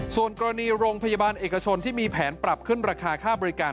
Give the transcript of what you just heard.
ส่วนกรณีโรงพยาบาลเอกชนที่มีแผนปรับขึ้นราคาค่าบริการ